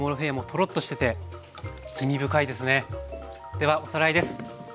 ではおさらいです。